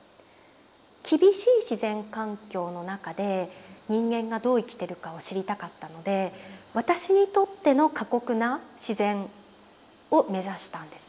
厳しい自然環境の中で人間がどう生きてるかを知りたかったので私にとっての過酷な自然を目指したんですね。